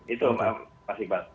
itu maaf terima kasih pak